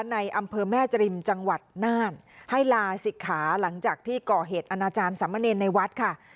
ในอำเภอแม่จริมจังหวัดน่านให้ลาศิกขาหลังจากที่ก่อเหตุอนาจารย์สามเณรในวัดค่ะ